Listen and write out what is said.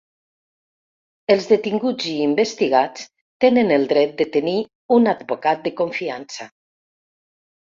Els detinguts i investigats tenen el dret de tenir un advocat de confiança.